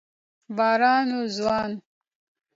باران و ځوان